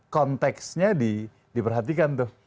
konteksnya diperhatikan tuh